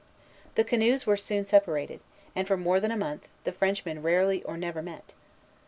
The canoes were soon separated; and, for more than a month, the Frenchmen rarely or never met.